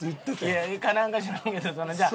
いやなんか知らんけどじゃあ